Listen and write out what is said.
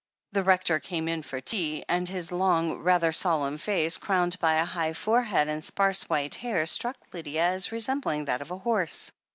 The Rector came in for tea, and his long, rather solemn face, crowned by a high forehead and sparse white hair, struck Lydia as resembling that of a horse.